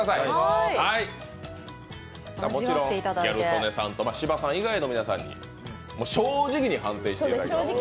もちろんギャル曽根さんと芝さん以外の皆さんに正直に判定していただきます。